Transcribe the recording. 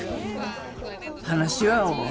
話は終わりたい。